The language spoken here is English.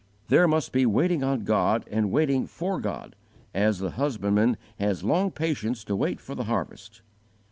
There must be waiting on God and waiting for God, as the husbandman has long patience to wait for the harvest.